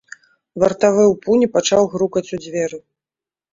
Вартавы ў пуні пачаў грукаць у дзверы.